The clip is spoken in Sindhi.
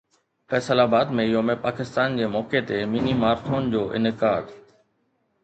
فيصل آباد ۾ يوم پاڪستان جي موقعي تي ميني مارٿون جو انعقاد